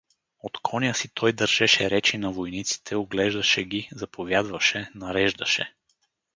От коня си той държеше речи на войниците, оглеждаше ги, заповядваше, нареждаше.